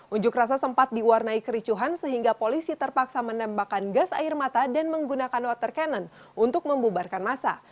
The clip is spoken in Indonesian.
unjuk rasa sempat diwarnai kericuhan sehingga polisi terpaksa menembakkan gas air mata dan menggunakan water cannon untuk membubarkan masa